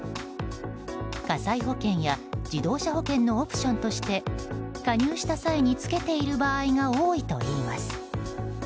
火災保険や自動車保険のオプションとして加入した際につけている場合が多いといいます。